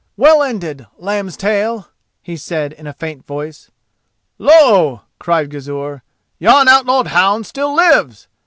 "Well ended, Lambstail!" he said in a faint voice. "Lo!" cried Gizur, "yon outlawed hound still lives!